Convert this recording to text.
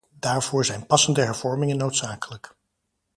Daarvoor zijn passende hervormingen noodzakelijk.